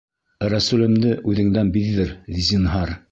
Рәсүлемде үҙеңдән биҙҙер, зинһар.